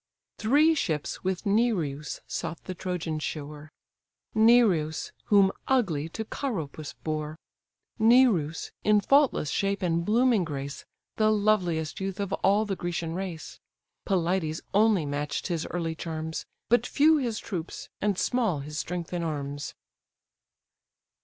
Three ships with Nireus sought the Trojan shore, Nireus, whom Agäle to Charopus bore, Nireus, in faultless shape and blooming grace, The loveliest youth of all the Grecian race; Pelides only match'd his early charms; But few his troops, and small his strength in arms.